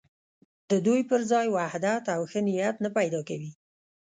د دوی پر ځای وحدت او ښه نیت نه پیدا کوي.